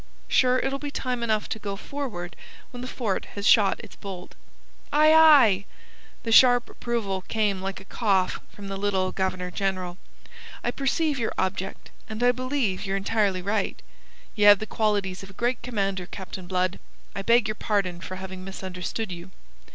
Sure, it'll be time enough to go forward when the fort has shot its bolt." "Aye, aye!" The sharp approval came like a cough from the little Governor General. "I perceive your object, and I believe ye're entirely right. Ye have the qualities of a great commander, Captain Blood. I beg your pardon for having misunderstood you."